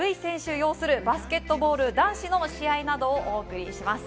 擁するバスケットボール男子の試合などをお送りします。